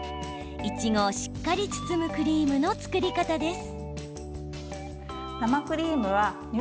いちごをしっかり包むクリームの作り方です。